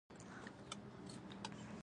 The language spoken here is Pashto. موبایل باید د وخت په کنټرول کې وکارېږي.